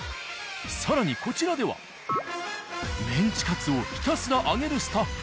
更にこちらではメンチカツをひたすら揚げるスタッフ。